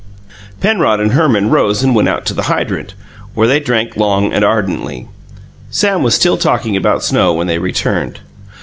Penrod and Herman rose and went out to the hydrant, where they drank long and ardently. Sam was still talking about snow when they returned.